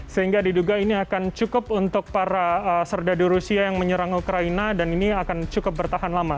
sehingga diduga ini akan cukup untuk para serdadu rusia yang menyerang ukraina dan ini akan cukup bertahan lama